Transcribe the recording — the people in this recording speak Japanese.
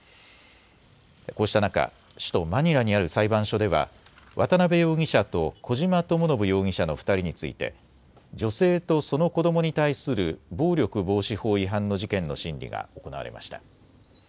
こうした中、首都マニラにある裁判所では渡邉容疑者と小島智信容疑者の２人について女性とその子どもに対する暴力防止法違反の事件の審理が行われました。